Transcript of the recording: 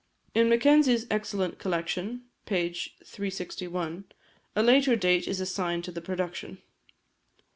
In Mackenzie's excellent collection (p. 361), a later date is assigned to the production.